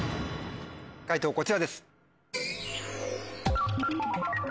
解答こちらです。